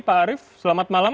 pak arief selamat malam